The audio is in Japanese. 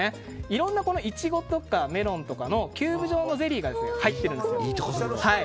いろんなイチゴとカメロンとかのキューブ状のゼリーが入ってるんです。